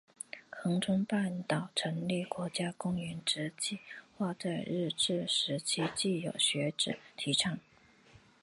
恒春半岛成立国家公园之计画在日治时期即有学者提倡。